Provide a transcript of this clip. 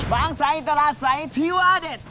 บางไซต์ตลาดไซต์ที่ว่าเด็ด